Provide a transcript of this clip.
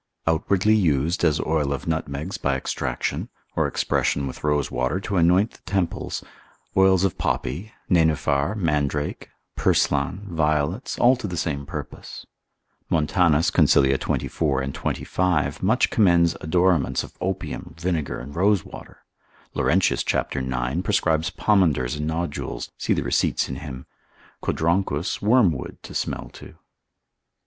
Outwardly used, as oil of nutmegs by extraction, or expression with rosewater to anoint the temples, oils of poppy, nenuphar, mandrake, purslan, violets, all to the same purpose. Montan. consil. 24 & 25. much commends odoraments of opium, vinegar, and rosewater. Laurentius cap. 9. prescribes pomanders and nodules; see the receipts in him; Codronchus wormwood to smell to.